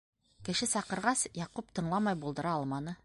Кеше саҡырғас, Яҡуп тыңламай булдыра алманы.